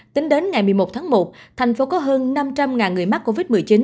tính đến ngày một mươi một tháng một thành phố có hơn năm trăm linh người mắc covid một mươi chín